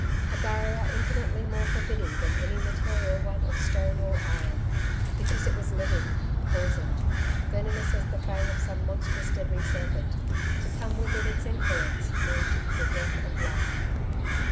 A barrier infinitely more forbidding than any material one of stone or iron. Because it was living, poisoned, venomous as the fang of some monstrous deadly serpent. To come within its influence meant the death of love.